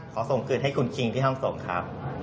ส่งคืนให้คุณคิงที่ห้องส่งครับ